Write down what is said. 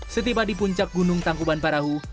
setiba di puncak gunung tanggubahan rahu